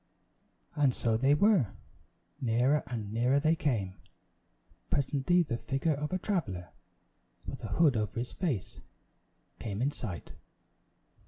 And so they were; nearer and nearer they came. Presently the figure of a traveler, with a hood over his face, came in sight.